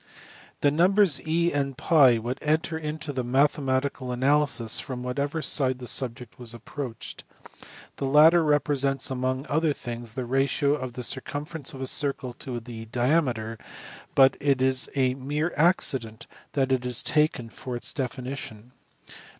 The numbers e and TT would enter into mathematical analysis from whatever side the subject was approached. The latter represents among other things the ratio of the circumfer ence of a circle to its diameter, but it is a mere accident that that is taken for its definition.